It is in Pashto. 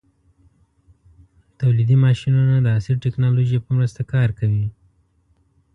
تولیدي ماشینونه د عصري ټېکنالوژۍ په مرسته کار کوي.